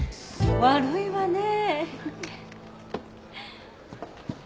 悪いわねぇ。